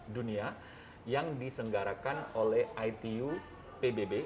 dunia yang disenggarakan oleh itu pbb